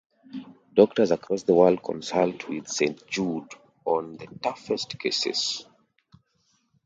Doctors across the world consult with Saint Jude on their toughest cases.